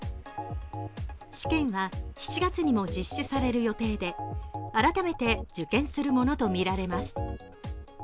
試験は、７月にも実施される予定で改めて受験するものとみられます。